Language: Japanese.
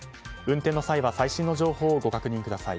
運転の際は最新の情報をご確認ください。